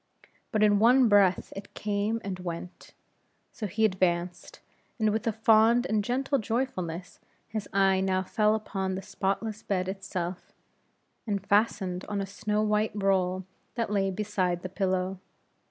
But in one breath it came and went. So he advanced, and with a fond and gentle joyfulness, his eye now fell upon the spotless bed itself, and fastened on a snow white roll that lay beside the pillow.